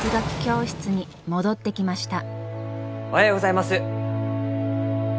おはようございます。